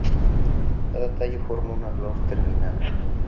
Cada tallo forma una flor terminal.